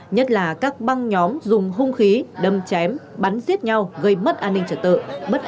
nhất là các băng nhóm dùng hung khí đâm chém bắn giết nhau gây mất an ninh trật tự bất an cho người dân